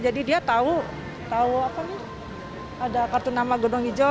jadi dia tahu tahu apa nih ada kartu nama gunung hijau